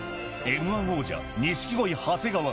Ｍー１王者、錦鯉・長谷川。